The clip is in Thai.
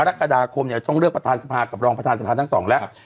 กรกฎาคมเนี่ยต้องเลือกประธานสภากับรองประธานสภาทั้งสองแล้ว